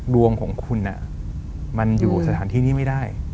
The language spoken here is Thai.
ดวงของคุณมันอยู่สถานที่นี้ไม่ได้